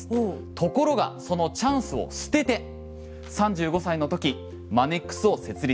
ところがそのチャンスを捨てて３５歳の時マネックスを設立。